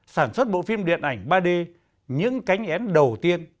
sản xuất bộ phim điện ảnh ba d những cánh én đầu tiên